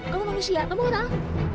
kamu manusia kamu orang